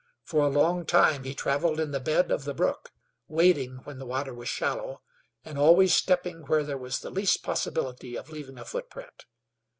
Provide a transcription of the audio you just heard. For a long time he traveled in the bed of the brook, wading when the water was shallow, and always stepping where there was the least possibility of leaving a footprint.